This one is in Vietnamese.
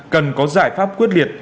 cần có giải pháp quyết liệt